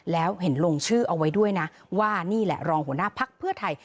แล้วเห็นลงชื่อเอาไว้ด้วยนะว่านี่แหละรองหัวหน้าพักเพื่อไทย